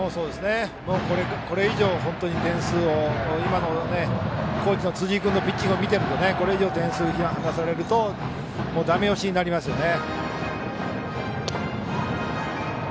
これ以上、本当に今の高知の辻井君のピッチングを見ているとこれ以上、点を離されるとだめ押しになりますね。